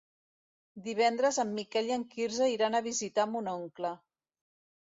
Divendres en Miquel i en Quirze iran a visitar mon oncle.